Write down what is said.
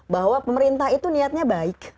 bahwa pemerintah itu niatnya baik